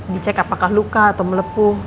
dicek apakah luka atau melepuh